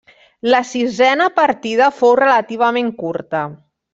La sisena partida fou relativament curta.